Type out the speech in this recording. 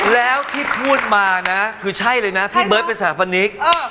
แล้วที่พูดมานะคือใช่เลยนะพี่เบิร์ตเป็นสถาปนิก